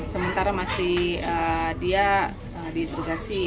sementara masih dia diinterogasi